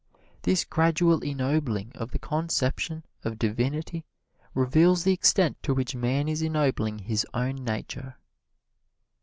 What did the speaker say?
This gradual ennobling of the conception of Divinity reveals the extent to which man is ennobling his own nature.